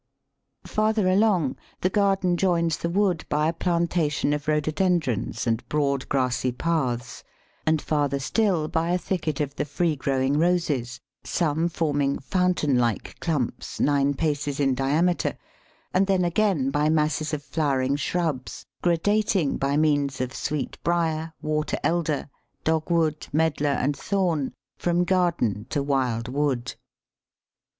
Farther along the garden joins the wood by a plantation of Rhododendrons and broad grassy paths, and farther still by a thicket of the free growing Roses, some forming fountain like clumps nine paces in diameter, and then again by masses of flowering shrubs, gradating by means of Sweetbriar, Water elder, Dogwood, Medlar, and Thorn from garden to wild wood.